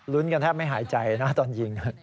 กันแทบไม่หายใจนะตอนยิง